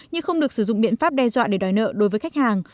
như không được sử dụng biện pháp đe dọa để đòi nợ đối với khách hàng